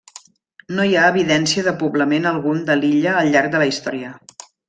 No hi ha evidència de poblament algun de l'illa al llarg de la Història.